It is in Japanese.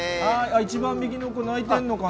一番右の子泣いてるのかな？